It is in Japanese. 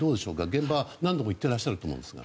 現場に何度も行ってらっしゃると思いますが。